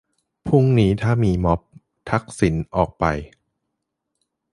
พรุ่งนี้ถ้ามีม็อบ ทักษิณออกไป